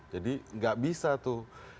jadi tidak bisa tuh